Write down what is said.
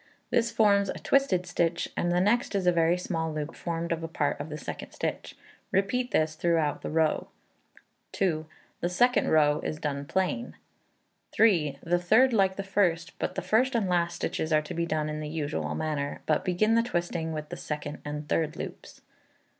This forms a twisted stitch, and the next is a very small loop formed of a part of the second stitch. Repeat this throughout the row. ii. The second row is done plain. iii. The third like the first; but the first and last stitches are to be done in the usual manner, but begin the twisting with the second and third loops.